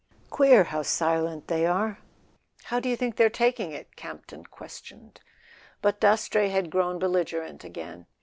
"Queer ! How silent they are: how do you think they're taking it?" Campton questioned. But Dastrey had grown belligerent again.